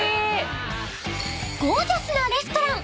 ［ゴージャスなレストラン。